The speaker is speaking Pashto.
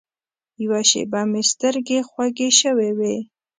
یوه شېبه مې سترګې خوږې شوې وې.